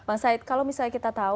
bang said kalau misalnya kita tahu